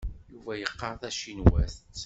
Yuba yeqqar tacinwat.